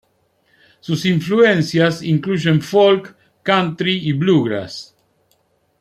Sus influencias incluyen folk, country y bluegrass.